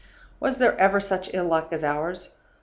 Was there ever such ill luck as ours?